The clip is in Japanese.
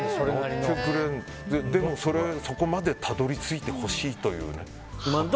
でも、そこまでたどり着いてほしいという。